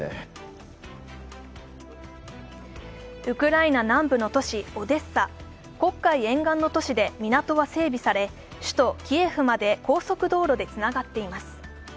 ウクライナ南部の都市オデッサ、黒海沿岸の都市で港は整備され、首都キエフまで高速道路でつながっています。